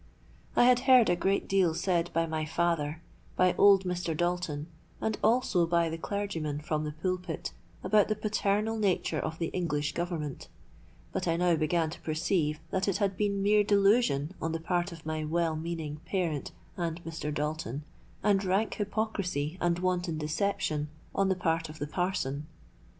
I had heard a great deal said by my father, by old Mr. Dalton, and also by the clergyman from the pulpit, about the paternal nature of the English Government; but I now began to perceive that it had been mere delusion on the part of my well meaning parent and Mr. Dalton, and rank hypocrisy and wanton deception on the part of the parson.